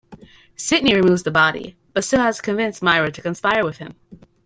Sidney removes the body but still has to convince Myra to conspire with him.